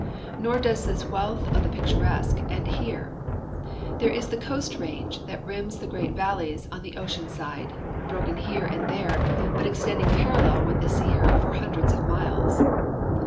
Nor does this wealth of the picturesque end here. There is the Coast range that rims the great valleys on the ocean side, broken here and there, but extending parallel with the Sierra for hundreds of miles.